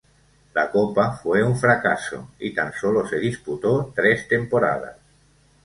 La copa fue un fracaso y tan solo se disputó tres temporadas.